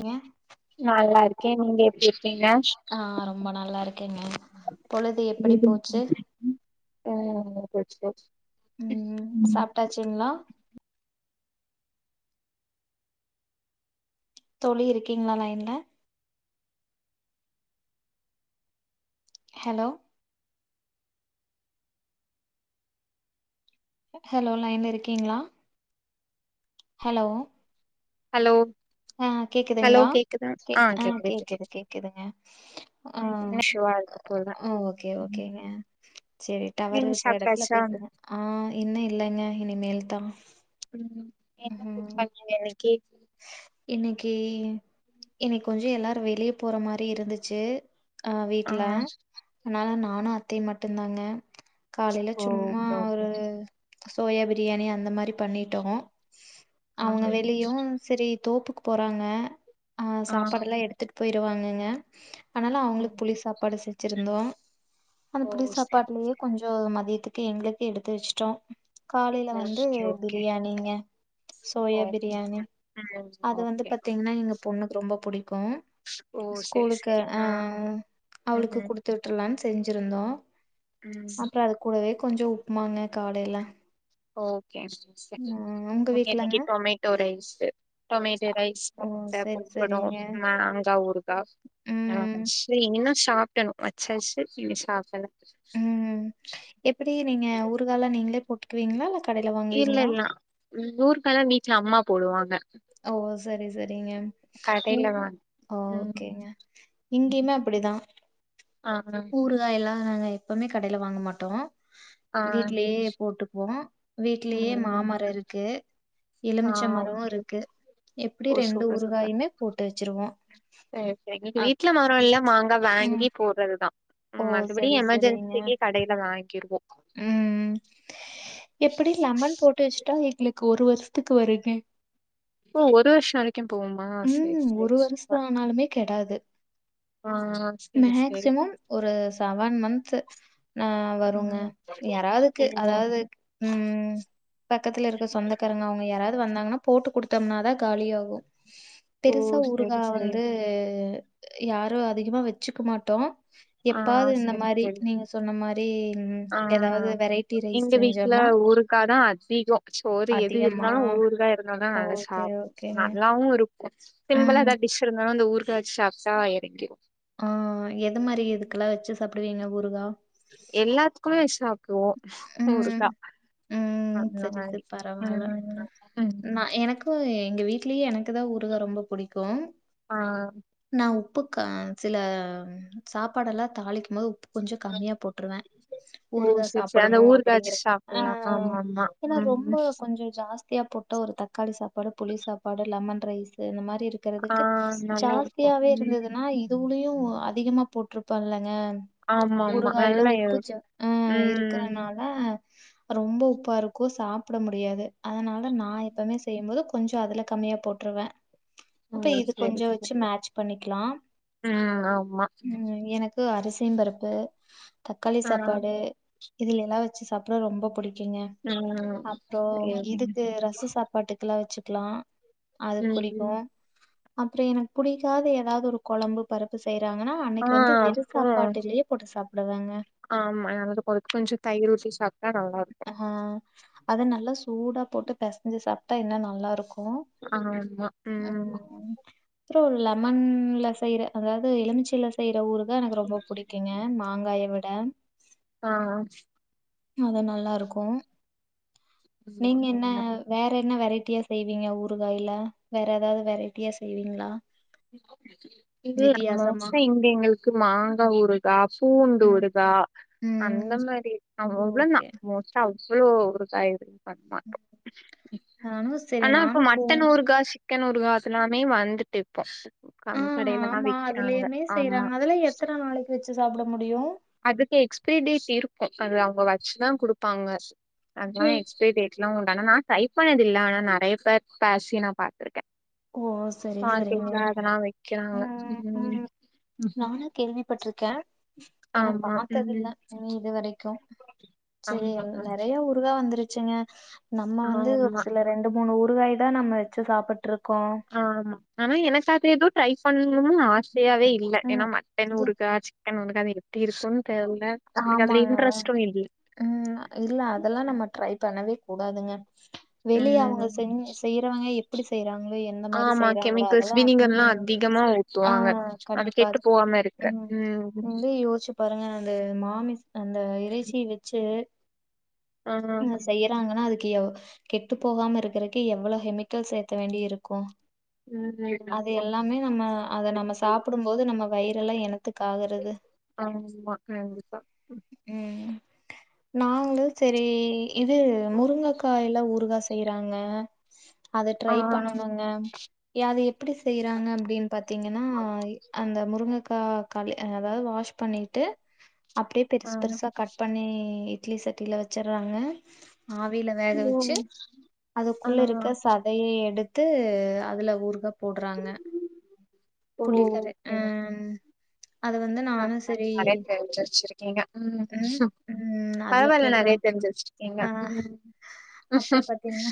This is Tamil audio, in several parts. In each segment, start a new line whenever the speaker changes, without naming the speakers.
ஏங்க
நல்லா இருக்கே நீங்க எப்டி இருக்கீங்க
ஆ ரொம்ப நல்லா இருக்கேங்க பொழுது எப்படி போச்சு
[unintelligible] ஆ வச்சிக்கோ
ம் சாப்டாச்சிங்ளா தோழி இருக்கீங்ளா லைன்ல ஹலோ ஹலோ லைன்ல இருகீங்ளா ஹலோ
ஹலோ
கேக்குதுங்ளா கே ஆ கேக்குது கேக்குதுங்க ஆம்
கேக்குது ஷுவா இருக்கு போல
ஆ ஓகே ஓகேங்க சேரி டவர்
நீங்க
இருக்கிற ஏடத்துல
சாப்ட்டாச்சா
பேசுவ ஆ என்ன இல்லங்க இனி மேல்தா
ம் என்ன [unintelligible] வேலகி
இன்னைக்கி இன்னைக்கு கொஞ்ச எல்லாரு வெளிய போற மாரி இருந்துச்சி ஆ வீட்ல அதனால நானு அத்தையு மட்டு தாங்க காலேல
ஓ
சும்மா
ஓகே ஓகே
ஒரு சோயா பிரியாணி அந்த மாரிப் பண்ணிட்டோ
ஆ
அவங்க வெளியு செரி தோப்புக்கு போறாங்க ஆ சாப்பாடு எல்லா போயிருவாங்கங்க ஆனால அவுங்களுக்கு
ம்
புளி சாப்பாடு செஞ் வச்சிருந்தோ அந்த
ஓ
புளி
சரி
சாப்பாட்லயே கொஞ்சோம் மதியத்துக்கு எங்ளுக்கு எடுத்து வச்சிட்டோ காலேல
ஓகே
வந்து
ஓகே
பிரியாணிங்க
ஓ
சோயா பிரியாணி
ம்
அது வந்து
ஓகே
பாத்தீங்னா எங்க பொண்ணுக்கு ரொம்ப புடிக்கு
ஓ சரி
ஸ்கூலுக்கு
சரி
அ
ஆ
அ அவளுக்கு
ம்
குடு த்துட்டுலான் செஞ்சிருந்தோ
ம்
அப்புற அது கூடவே கொஞ்ச உப்புமாங்க காலேல
ஓகேக சிஸ்டர்
உங்க வீட்லங்க?
இன்னைக்கி டொமேட்டோ ரைஸ்சி டொமேட்டோ ரைஸ்
ஓ!
முட்ட
சரி,
பொக்கணு
சரிங்க.
மாங்கா ஊருக்கா நா
ம்,
கழிச்சி இது எங்கனா சாப்டனு அச்சச்சு இதே சாப்பல
ம் எப்டி நீங்க ஊறுகாலா நீங்களே போட்டுக்குவீங்ளா இல்ல கடேல வாங்குவீங்ளா
ம் ஊறுக்காலா வீட்ல அம்மா போடுவாங்க
ஓ சரி சரிங்கம் இங்
கடைல வாங் ம்
ஓகேங்க இங்கேயுமே அப்டிதா
ஆ ஆ
தா எல்லா நாங்க எப்போமே கடேல வாங்க மாட்டோ
ஆ
வீட்லேயே போட்டுபோ வீட்லேயே
ம்
மாமரம் இருக்கு
ஆ
எலுமிச்ச மரோ
ஓகே
இருக்கு
ஓகே
எப்டி
ஓ
ரெண்டு
சூப்பர் சூப்பர்
உறுகாயுமே போட்டு வச்சிருவோ
சரி சரி எங்களுக்கு வீட்ல மரோ எல்லா மாங்கா
ம்.
வாங்கி போடுறதுதா
ஓ!
ம் மத்தபடி
சரி,
எமர்ஜென்சிக்கு கடையில வாங்கிக்கிருவோ
ம் ம் எப்டி லெமன் போட்டு வச்சுட்டா எங்களுக்கு ஒரு வருஷத்துக்கு வருங்க
ஓ ஒரு வருஷ வரைக்கு போகுமா சரி
ம்
சரி
ஒரு
சூப்பர்
வருஷம் ஆனாலுமே கெடாது
ஆ சரி சரி
மேக்சிமம் ஒரு செவன் மந்த்து ஆ
ஆ,
வருங்க
ஓ
யாராவதுக்கு அதாவது ம் ம் பக்கத்துல இருக்க சொந்தக்காரங்க அவங்க யாராவது வந்தாங்கன்னா போட்டு குடுத்தம்னா தா காலியாகு
ஓ
பெருசா ஊருகா
சரி சரி
வந்து யாரு அதிகமா வச்சுக்க மாட்டோ
ஆ
எப்பாது இந்த
சரி
மாரி
சரி
நீங்க சொன்ன மாரி ம்
ஆ
ஏதாவது வெரைட்டி ரைஸ் செஞ்சம்னா
அக்க தா அதிக சோறு எது இருந்தாலு ஊர்கா இருந்தா தா நல்லா
ஓகே,
சாப்
ஓகேங்க.
நல்லாவு இரு சிம்பிளா
ம்.
எதா டிஷ் இருந்தாலு அந்த ஊருகா வச்சு சாப்டா எறங்கிடு
ஆ எது மாரி இதுக்கெல்லா வச்சு சாப்டுவீங்க ஊறுகா
எல்லாத்துக்குமே வெச் சாப் ஓ
ம்.
ஊருக்கா
ம்.
அந்த
சரி,
மாரி
சரி.
ம் ம் ம்
இப்ப எங்க வீட்லயே எனக்கு தா ஊறுகா ரொம்ப புடிக்கு
ஆ
நா உப்புக்க சில சாப்பாடெல்லா தாளிக்கும் போது கொஞ்ச கம்மியா போட்ருவே
ஓ
ஊறுகாஸ்
சரி சரி அந்த
டனு
ஊருகா வச்சு
அப்படிங்கற ஆ
சாப்டலா ஆமா ஆமா
இன்னா ரொம்ப
ம்
கொஞ் கொஞ்ச ஜாஸ்தியா போட்ட ஒரு தக்காளி சாப்பாடு புளி சாப்பாடு லெமன் ரைஸ்சு இந்த மாரி இரு
ஆ
இருக்கிறதுக்கு
நல்லா இருக்கு
ஜாஸ்தியாவே
ம்
இருந்ததுன்னா இதுவுலயு அதிகமா போட்ருப்பான்ல்லங்க
ஆமா ஆமா
ஊருகாயில
நல்லா
உப்பு
இரு-
ஜா ஆ இருக்
ம்
நா ரொம்ப உப்பா இருக்கு சாப்பட முடியாது அதனால நா எப்பமே செய்யும்போது கொஞ்ச அதுல கம்மியா போட்ருவே
ஓ
அப்ப இது கொஞ்ச
சரி
வச்சு
சரி
மேட்ச பண்ணிக்கலாம்
ம் ஆமா
ம் எனக் ம் அரிசியம் பருப்பு தக்காளி
ஆ
சாப்பாடு இதுல எல்லா வச்சு சாப்பட ரொம்ப பிடிக்குங்க
ம்
அப்பறம்
சேரிங்க
இதுக்கு ரச சா பாட்டுக்கெல்லா வச்சுக்கலா அது புடிக்கு
ம்
அப்பற எனக்கு புடிக்காதது ஏதாவது ஒரு கொழம்பு பருப்பு செய்யறாங்கன்னா
ஆ
அன்னைக்கு வந்து வெறு
அப்போ
சாப்பாட்டுலயே போட்டு சாப்பிடுவாங்க
ஆமா எனது பொறத்து கொஞ்ச தயிர் ஊத்தி சாப்ட்டா நல்லாருக்கு
ஆ அத நல்லா சூடா போட்டு பெசஞ்சு சாப்ட்டா இன்னு நல்லாருக்கு
ஆமா ம்
அப்பற ஒரு லெமன்ல செய்யற அதாவது எலுமிச்சில செய்யற ஊரு தா எனக்கு ரொம்ப புடிக்குங்க மாங்காய விட
ஆ ஆ
அது நல்லாருக்கு
ம்,
நீங்க என்ன
ஆமா
வேற என்ன வெரைட்டியா செய்வீங்க ஊறுகாய்ல வேற எதாவது வெரைட்டியா செய்வீங்ளா
இங்க மோஸ்டா இங்க எங்ளுக்கு மாங்கா ஊறு கா பூண்டு
ம்
ஊறுகா அந்த
ம்
மாரி அவ்ளோதா
ஓகே
மோஸ்ட் அவ்வளோ ஊறுகா பண்ணமா
நானு சரி
ஆனா இப்ப
நானு போ
மட்டன் ஊறுகா சிக்கன் ஊறுகா ஆதுலாமே வந்துட்டு இப்போ கம்
ம்
கடைலல்லா
ஆமா
விக்கிறாங்க
அதுலயுமே
ஆமா
செய்றாங்க அதுலா எத்தன நாளைக்கு வச்சு சாப்ட முடியு
அதுக்கு எக்ஸ்ப்ரி டேட் இருக்கு அது அவுங்க வச்சுதா குடுப்பாங்க அதுலா எக்ஸ்பே டேட் [unintelligible] நா ட்ரை பண்ணதுல்ல ஆனா நறைய பேர் பேசி நா பாத்துருக்கே
ஓ சரி சரிங்க
மார்க்கெட்ல அதல்லா வக்கிறாங்க
ம் பட்ருக்கே ஏன்னா பாத்ததுல்ல
ம்
நீ இது வரைக்கு செரி
ஆமா
எல் நெறைய ஊறுகா வந்துருச்சுங்க நம்ம வந்து ஒரு
ஆமா
சில ரெண்டு மூணு ஊறுகாய் தா நம்ம வெச்சு சாப்புட்ருக்கோ
ஆமா ஆனா எனக்காக எதுட் ட்ரை பண்ணனுஆசையாவே இல்ல ஏன்னா
ம்
மட்டன்
இது
ஊறுகா சிக்கன் ஊறுகா அது எத் டி இருக்குன் தேர்ல எனக்கு அதுல
ஆமாங்க
இன்ட்ரஸ்டு இல்
ம் இல்ல அதல்லா நம்ம ட்ரை பண்ணவே கூடாதுங்க வெளிய அவங்க
ம்
செஞ்சி செய்யற் ருவங்க எப்புடி செய்யறாங்ளோ எ இந்த மாரி
ஆமா
செய்றாங்ளோ
கெமிக்கல்ஸ்
அதல்லா
வினிகர்லா
ம்
அதிகமா
ஆ
ஊத்துவாங்க
கண்டிப்பா
கெட்டு
அது
போகாம இருக்க
ம் நீங்ளே யோச்சி பாருங்க அந்த மாமிஸ் அந்த இறைச்சி வெச்சு
ஆ
செய்றாங்கனா எவ் அதுக்கு கெட்டு போகாம இருக்குறக்கு எவ்வளோ ஹெமிக்கல் சேத்த வேண்டி இருக்கு
ம்
அது
ஆமா
எல்லாமே நம்ம அத நம்ம சாப்பிடும்போது நம்ம வயிறெல்லா எனத்துக் ஆகுறது
ஆம்மா கண்டிப்பா
ம் நா வந்து செரி இது முருங்கக்காய்லா ஊறுகா செய்றாங்க அத
ஆ
ட்ரை பண்ணனுங்க ய அத எப்புடி செய்றாங்க அப்டின் பாத்தீங்கனா அந்த முருங்கக்கா களி அதாது வாஷ் பண்ணியிட்டு அப்டே
ஆ
பெருசு பெருசா கட் பண்ணி இட்லி சட்டில வச்சற்றாங்க ஆவில வேக வச்சு
ம் ஆ
அதுக்குள்ள இருக்க சத் தயே எடுத்து அதுல ஊறுகா போட்றாங்க
ஓ ஓகே ஓகே
அது வந்து நானும் சரி
பர்வல்லி நெறைய தெரிஞ்சி வச்சிருக்கீங்க
ம்
பரவால்ல நறைய தெரிஞ்சி வச்ட்
அ அப்ற பத்தீங்னா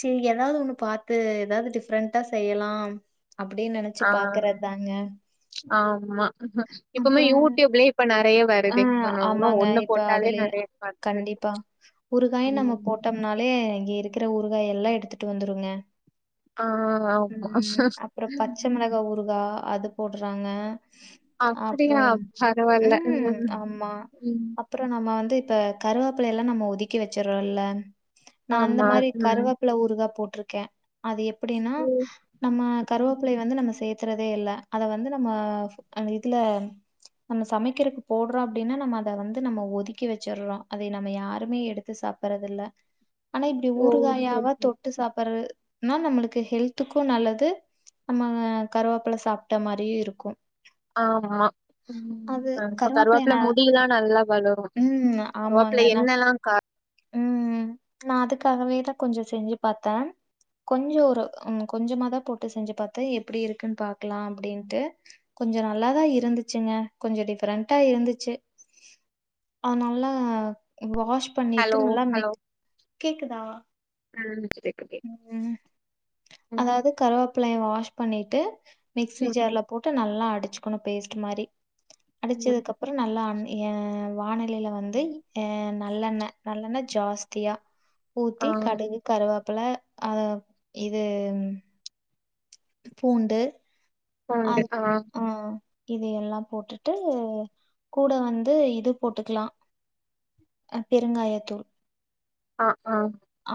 சி எதாவ்து ஒன்னு பாத்து எதாவ்து டிஃப்ரெண்ட்டா செய்யலா அப்புடி நென
அ அ ஆம்மா இப்பமே யூட்யூப்லே இப்ப நறைய
அ ஆமாங்க இப்ப அதுலயே
நெறைய வருது
கண்டிப்பா ஒரு காய் நம்ம
ம்
போட்டம் னாலே இங்க இருக்குற ஊறுகா எல்லா எடுத்துட்டு வந்துருங்க
ஆ ஆமா
ம் அப்புற பச்ச மிளகா ஊறுகா அது போடுறாங்க
அப்புடியா
அப்புறம்
பரவால்ல ம் ம்
அப்புற நம்ம வந்து இப்ப கருவாப்புல்லை எல்லா நம்ம ஒதுக்கி வச்சற்றோ இல்ல நா அந்த
ஆமா
மாரி
ம்
கருவப் புல ஊறுகா போட்ருக்கே அது எப்புடினா
ம்
நம்ம கருவோப்லை வ ந்து நம்ம சேத்துறதே இல்ல அத வந்து நம்ம அந் இதுல நம்ம சமைக்கிறக்கு போட்றோ அப்டினா நம்ம அத வந்து நம்ம ஒதுக்கி வச்சற்றோ அதை நம்ம யாருமே எடுத்து சாப்பறதுல்ல ஆனா இப்டி
ஓ சரி
ஊறுகாயாவா
சரி
தொட்டு சாப்பறு நோ நம்மளுக்கு ஹெல்த்துக்கு நல்லது நம்ம கருவாப்பல சாப்ட்ட மாரியு இருக்கு
ஆம்மா ம்
அது
இப்ப
கருவேப்பிலைய
கருவாப்புல
நா
முடிலா நல்லா வளு
ம் ஆமாங்கனா
அ [inaudible]
நா அதுக்காகவே தா கொஞ்ச செஞ்சி பாத்த கொஞ்ச ஒரு ம் கொஞ்சமாதா போட்டு செஞ்சி பாத்த எப்டி இருக்குன் பாக்லா அப்டின்ட்டு கொஞ்ச நல்ல தா இருந்துச்சிங்க கொஞ்ச டிஃப்ரெண்ட்டா இருந்துச்சி அத நல்ல வாஷ் பண்ணிட்டு
ஹலோ
நல்லா மிக் கேக்குதா
ம்ச்டே [unintelligible]
ம் அதாவது கருவேப்பலைய வாஷ் பண்ணிட்டு மிக்சி
ம்
ஜார்ல போட்டு நல்லா அடிச்சுக்கணு பேஸ்ட்டு மாரி
ம்
அடிச்சதுகப் ஒரு நல்லா அண் ஏ வானலில வந்து நல்லெண்ண நல்லெண்ண ஜாஸ்தியா ஊத்தி
ஆ
கடுகு கருவேப்பல ஆ இது பூண்டு அது ஆ இது எல்லா போட்டுட்டு கூட வந்து இது போட்டுக்கலா பெருங்காயத்தூள்
ஆ ஆ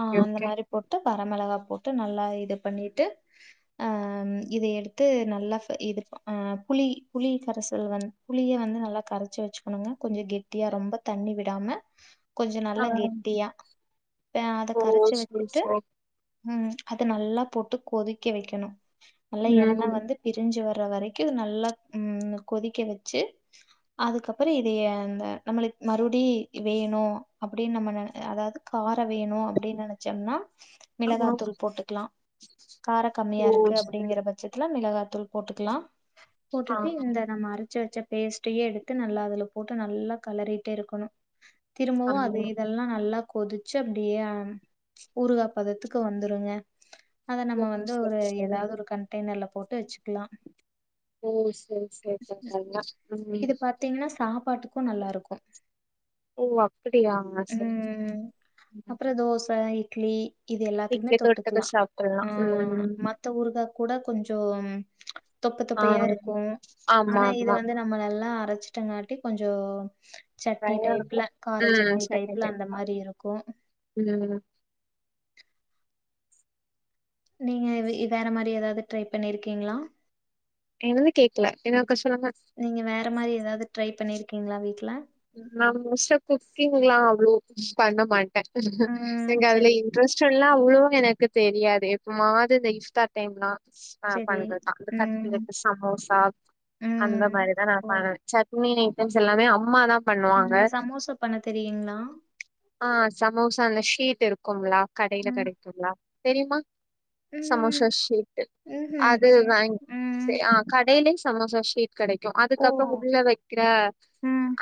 ஆ அந்த
ஓகே
மாரி போட்டு வர மிளகா போட்டு நல்லா இது பண்ணிட்டு ஆ இத எடுத்து நல்லா இது ஆ புளி புளி ணகரசல்வந் புளிய வந்து நல்லா கரச்சு வச்சுக்கணுங்க கொஞ்ச கெட்டியா ரொம்ப தண்ணி விடாம கொஞ்ச
ஆ
நல்லா கெட்டியா ப்ப அத
ஓ
கரச்சு
சரி
வச்சிட்டு
சரி
ம் அத நல்லா போட்டு கொதிக்க வைக்கணு நல்லா எண்ணெய்
ம்
வந்து பிரிஞ்சி வர்ற வரைக்கு நல்லா ம் கொதிக்க வச்சி அதுக்கப்பற இதயே இந்த நம்மளு மறுடி வேணு அப்பிடின் நம்ம ந அதாவது கார் ப்ப வேணு அப்பிடின் நெனச்சம்னா
ஆ
மிளகாத்தூள் போட்டுக்கலா கார கம்மியா
ஓ
இருக்கு
சரி
அப்டிங்கற பட்ச் சத்துல மிளகாத்தூள் போட்டுக்கலா
ஆ
போட்டுட்டு இந்த நம்ம அரச்சி வச்ச பேஸ்டே எடுத்து நல்லா அதுல போட்டு நல்லா கலறிட்டே இருக்கணு
ஆ
திரும்பவு அது இதெல்லா இதெல்லா நல்லா கொதிச்சு அப்பிடியே ஹ ஊருகா பதத்துக்கு வந்துருங்க அத
ஓ
நம்ம வந்து
சரி
ஒரு
சரி
ஏதாவது ஒரு கண்டெய்னர்ல போட்டு வச்சுக்கலா
சேரி சேரி சேரி [unintelligible]
இது பாத்தீங்னா சாப்பாட்டுக்கு நல்லா இருக்கு
ஓ அப்டியா சரி சரி
ம்
ம்.
அப்புற தோச இட்லி இது எல்லாத்துக்குமே
வீட்லயே தொட்டுக்க
தொட்டுக்கலா
சாப்ட்றலா
ஆ
ம்
மத்த ஊருக்கா கூட கொஞ்சோம் தொப்ப
ஆ
தொப்பையா இருக்கு
ஆமா ஆமா
நம்மள எல்லா அரச்சிட்டங்காட்டி கொஞ்சோ சட்னி
நெறையா இருக்கு
டைப்ல கார
ம்
சட்னி
செகண்ட்
டைப்ல
டைம்
அந்த
தா
மாரி இருக்கு
ம்
நீங்க வேற மாரி ஏதாவது ட்ரை பண்ணிருக்கீங்களா
என்னது கேக்கல இன்னொருக்க சொல்லுங்க
நீங்க வேற மாரி எதாவது ட்ரை பண்ணிருக்கீங்களா வீட்ல
நா மோஸ்டா குக்கிங்லா அவ்ளோ பண்ண மாட்ட
ம்
எங்க அதுல
சரி
இன் டரஸ்டெல்லா அவ்ளோ எனக்கு தெரியாது எப்ப மாவது இந்த இன்ஸ்டாக் டைம்லா ஹ
சரி
பண்றதா இந்த
ம்
கட்லட்டு சமோசா அந்த
ம்
மாரிதா நா
ஓ
பண சட்னி ஐட்டம்ஸ் எல்லாமே அம்மாதா பண்ணுவாங்க
ம், சமோசா பண்ண தெரியுங்களா
ஆ சமோசா அந்த ஷீட் இருக்கும்ளா கடையில கிடைக்கும்லா தெரியுமா சமோசா
ம்.
ஷீட்டு
ம்ஹ்ம்.
அது
தெரியும்.
வாங்கி
ம்.
ஆ கடைலியும் சமோசா ஷீட் கடைக்கும்
ஓ!
அதுக்கப்றோம் உள்ள வைக்குற
ம்.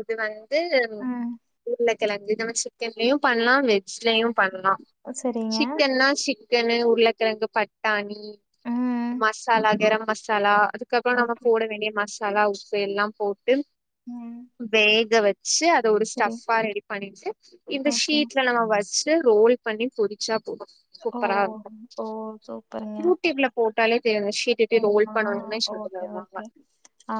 இது வந்து
ம்.
உருளக்கழங்கு இது சிக்கன்லயும் பண்ணலாம் வெஜ் லயும் பண்ணலாம்
சரிங்க.
சிக்கன்னா சிக் க்கன்னு உருளக்கிழங்கு பட்டாணி
ம்.
மசாலா க்கர மசாலா அது அதுக்கப்றம் நம்ப
ஓகே.
போட வேண்டிய மசாலா உப்பு எல்லாம் போட்டு
ம்
வேக வெச் ச்சி அத ஒரு
சரி.
ஸ்டஃப்ஹா ரெடி பண்ணிட்டு இந்த
ஓகே.
ஷீட்ல நம்ப வச்சு ரோல் பண்ணி பொரிச்சா போதும்
ஓ ஓ சூப்பருங்க
யூடியூப்ல போட்டாலே தெர்து ஷுட் ஒட்டிட்டு ரோல்
சரிம்மா.
பண்ண வொட்னே
ஓகே,
சொல்லுவாங்க
ஓகே. ஆ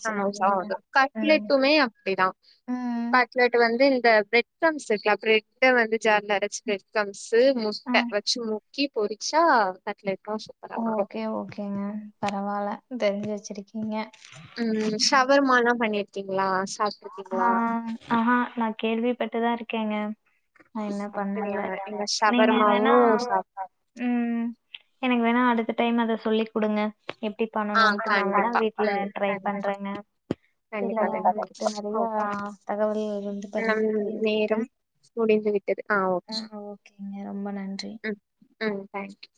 சமோசா
சரிங்க.
கட்லெட்
ம்.
இட்டுமே அப்டிதான்
ம்.
கட்லெட் வந்து இந்த பிரெட் கர்ம்ஸ் இருக்குல ப்ரெட் முட்டை வந்து ஜார்ல அரச்சு ப்ரெட் கம்ஸு
ஆ.
முட்ட வெச்சு முக்கி பொரிச்சா கட்லட் ரோஸ்
ஓகே ஓகேங்க பரவால தெரிஞ்சு வெச்சிருக்கீங்க
ம் சவர்மாலாம் பண்ணிருக்கீங்ளா
ஆ ஆ ஹா நா கேள்விப்பட்டுதான் இருக்கேங்க நா இன்னு
அப்படியா
பண்ணல
எங்க
நீங்க
ஷவர்மாவு
வேனா
சாப்
ம் எனக்கு வேனா அடுத்த டைம் அது சொல்லிக் கொடுங்க எப்டி
ஆ
பண்ணணுட்டு நா வேனா
கண்டிப்பா
வீட்ல
ம்
ட்ரை
கண்டிப்பா
பண்றேங்க
கண்டிப்பா கண்டிப்பா
செரிங்ளா நறையா
ஓ
தகவல் வந்து பகிர்ந்து கிட்டன்
முடிந்துவிட்டது ஆ ஓகே
ரொம்ப நன்றி
ம் ம் த்தான்க்